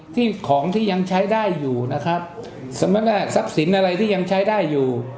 ที่ของที่ยังใช้ได้อยู่นะครับสมมุติว่าทรัพย์สินอะไรที่ยังใช้ได้อยู่